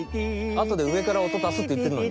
あとで上から音たすって言ってんのに？